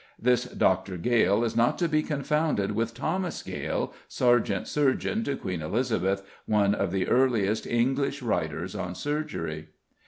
This Dr. Gale is not to be confounded with Thomas Gale, sergeant surgeon to Queen Elizabeth, one of the earliest English writers on surgery.